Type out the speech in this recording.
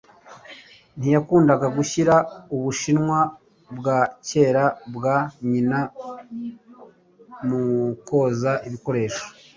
Ntiyakundaga gushyira Ubushinwa bwa kera bwa nyina mu koza ibikoresho.